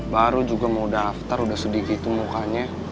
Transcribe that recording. baru juga mau daftar udah sedikit mukanya